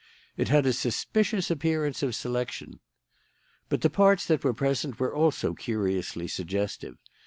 "It had a suspicious appearance of selection. "But the parts that were present were also curiously suggestive.